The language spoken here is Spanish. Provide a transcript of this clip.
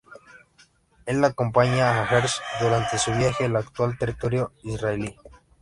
Él acompaña a Herzl durante su viaje al actual territorio israelí.